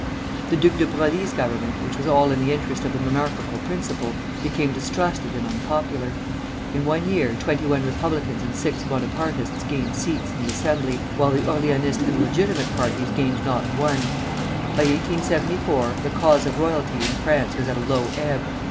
The Duc de Broglie's government, which was all in the interest of the monarchical principle, became distrusted and unpopular. In one year twenty one Republicans and six Bonapartists gained seats in the Assembly, while the Orleanist and Legitimist parties gained not one. By 1874 the cause of royalty in France was at a low ebb.